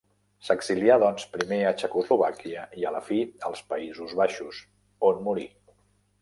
S'exilià, doncs, primer a Txecoslovàquia i a la fi, als Països Baixos, on morí.